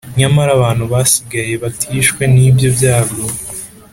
Nyamara abantu basigaye batishwe n’ibyo byago,